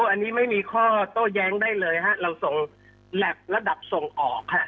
อันนี้ไม่มีข้อโต้แย้งได้เลยฮะเราส่งแล็บระดับส่งออก